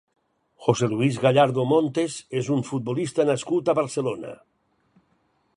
José Luis Gallardo Montes és un futbolista nascut a Barcelona.